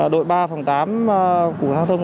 đội ba phòng tám của hàng thông